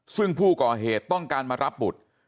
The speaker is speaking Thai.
ซึ่งผู้ก่อเหตุต้องการมารับบุตร